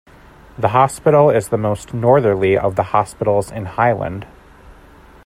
The hospital is the most northerly of the hospitals in Highland.